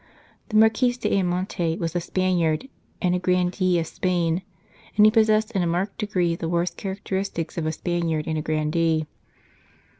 The Marquis d Ayamonte was a Spaniard and a grandee of Spain, and he possessed in a marked degree the worst characteristics of a Spaniard and a grandee.